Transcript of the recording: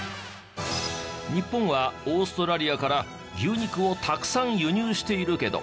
日本はオーストラリアから牛肉をたくさん輸入しているけど。